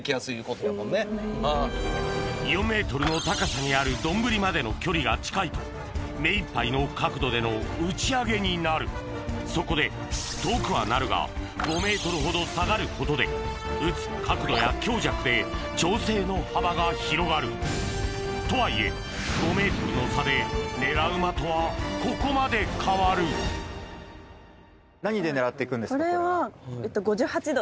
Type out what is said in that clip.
４ｍの高さにある丼までの距離が近いと目いっぱいの角度での打ち上げになるそこで遠くはなるが５ｍほど下がることで打つ角度や強弱で調整の幅が広がるとはいえ５ｍの差で狙う的はここまで変わる５８度。